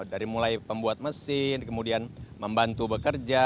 dari mulai pembuat mesin kemudian membantu bekerja